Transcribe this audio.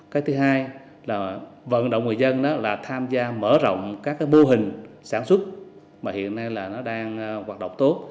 cái thứ hai là vận động người dân là tham gia mở rộng các cái mô hình sản xuất mà hiện nay là nó đang hoạt động tốt